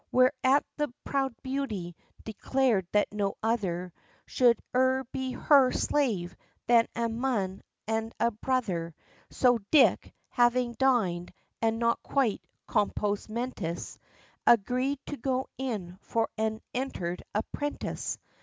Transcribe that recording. Whereat the proud beauty declared that no other Should e'er be her slave than 'a man and a brother': So Dick, having dined, and not quite compos mentis, Agreed to go in for an 'entered apprentice.'